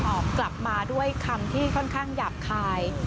กลับมาด้วยคำที่ค่อนข้างหยาบคาย